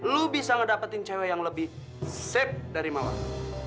lo bisa ngedapetin cewe yang lebih sip dari mawar